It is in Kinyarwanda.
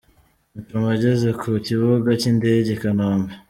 Muchoma ageze ku kibuga cy'indege i Kanombe .